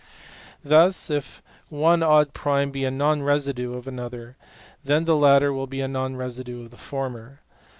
Thus, if one odd prime be a non residue of another, then the latter will be a non residue of the former.